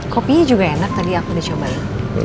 kopinya juga enak tadi aku udah cobain